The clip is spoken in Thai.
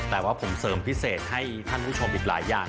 แต่ว่าผมเสริมพิเศษให้ท่านผู้ชมอีกหลายอย่าง